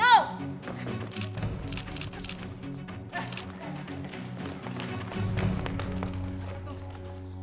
oh registrasi kayak gimana